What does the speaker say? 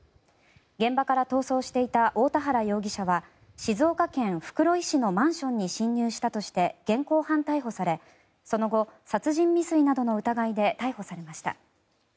現場から逃走していた大田原容疑者は静岡県袋井市のマンションに侵入したとして現行犯逮捕されその後、殺人未遂などの疑いで逮捕されました。